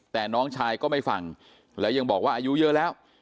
แต่น้องชายก็ไม่ฟังแล้วยังบอกว่าอายุเยอะแล้ว